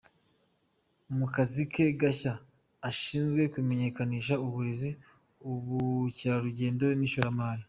Mu kazi ke gashya, ashinzwe kumenyekanisha uburezi, ubukerarugendo n'ishoramari.